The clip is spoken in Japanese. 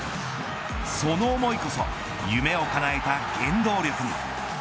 その思いこそ夢をかなえた原動力に。